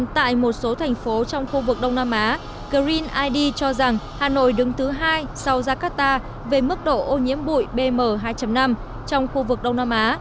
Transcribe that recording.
tại một số thành phố trong khu vực đông nam á green id cho rằng hà nội đứng thứ hai sau jakarta về mức độ ô nhiễm bụi bm hai năm trong khu vực đông nam á